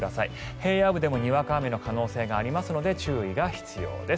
平野部でもにわか雨の可能性があるので注意が必要です。